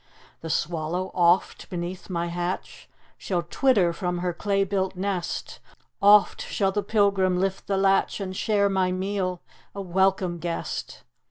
The swallow, oft, beneath my thatch, Shall twitter from her clay built nest; Oft shall the pilgrim lift the latch, And share my meal, a welcome guest.